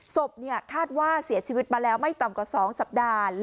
ศพคาดว่าเสียชีวิตมาแล้วไม่ต่ำกว่า๒สัปดาห์